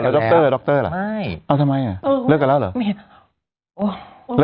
ดรเล่ากันแล้วเหรอ